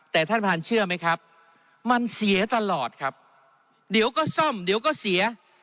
แต่ท่านประธานเชื่อไหมครับมันเสียตลอดครับเดี๋ยวก็ซ่อมเดี๋ยวก็เสีย